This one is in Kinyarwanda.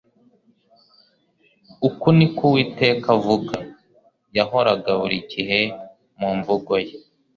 Uku niko Uwiteka avuga,'' yahoraga buri gihe mu mvugo ye